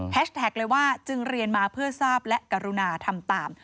เลยว่าจึงเรียนมาเพื่อทราบและกรุณาทำตาม